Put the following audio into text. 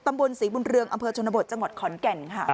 ตำบลศรีบุญเรืองอำเภอชนบทจังหวัดขอนแก่นค่ะ